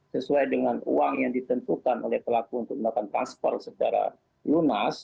sesuai dengan uang yang ditentukan oleh pelaku untuk melakukan transfer secara lunas